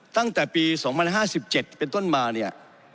ตั้งแต่ปี๒๐๕๗เป็นต้นมาเนี่ย